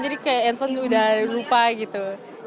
jadi kayak handphone udah lupa gitu